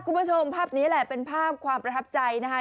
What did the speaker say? คุณผู้ชมภาพนี้แหละเป็นภาพความประทับใจนะคะ